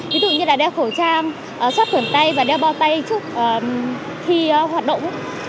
ví dụ như là đeo khẩu trang xót quần tay và đeo bao tay trước khi hoạt động